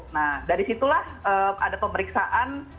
nah dari situlah ada pemeriksaan